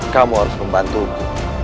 kamu harus membantuku